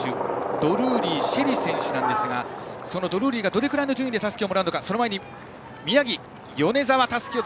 ドルーリー朱瑛里選手なんですがドルーリーがどれくらいの順位でたすきをもらうか。